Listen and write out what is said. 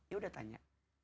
ya udah tanya